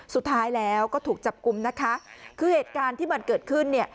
สุดท้ายแล้วก็ถูกจับกลุ่มนะคะคือเหตุการณ์ที่มันเกิดขึ้นเนี่ย